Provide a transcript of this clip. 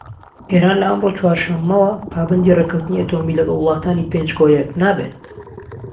ئێران لە ئەمرۆ چوارشەممەوە پابەندی رێكەوتنی ئەتۆمی لەگەڵ وڵاتانی پێنج كۆ یەك نابێت